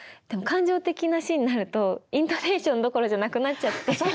でも感情的なシーンになるとイントネーションどころじゃなくなっちゃって。